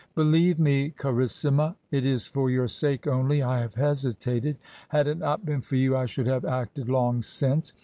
" Believe me, carissima^ it is for your sake only I have hesitated. Had it not been for you I should have acted long since.